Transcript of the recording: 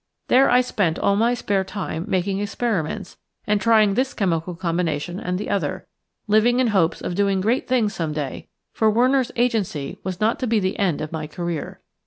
There I spent all my spare time making experiments and trying this chemical combination and the other, living in hopes of doing great things some day, for Werner's Agency was not to be the end of my career.